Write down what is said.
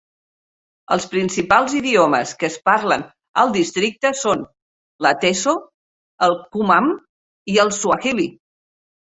Els principals idiomes que es parlen al districte són l'ateso, el kumam i el swahili.